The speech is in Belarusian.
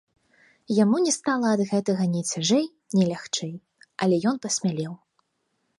Яму не стала ад гэтага ні цяжэй, ні лягчэй, але ён пасмялеў.